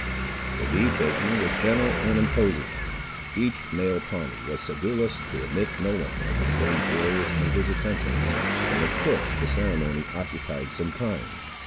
The leave taking was general and imposing. Each male Pawnee was sedulous to omit no one of the strange warriors in his attentions, and of course the ceremony occupied some time.